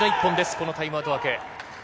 このタイムアウト明け。